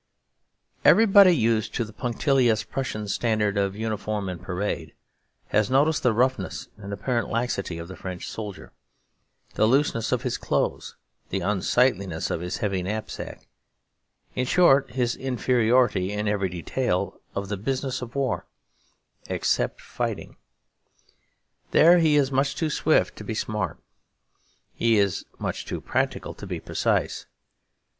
Everybody used to the punctilious Prussian standard of uniform and parade has noticed the roughness and apparent laxity of the French soldier, the looseness of his clothes, the unsightliness of his heavy knapsack, in short his inferiority in every detail of the business of war except fighting. There he is much too swift to be smart. He is much too practical to be precise.